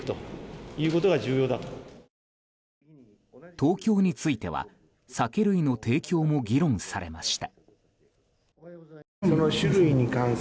東京については酒類の提供も議論されました。